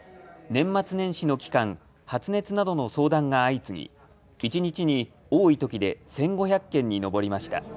年末年始の期間、発熱などの相談が相次ぎ一日に多いときで１５００件に上りました。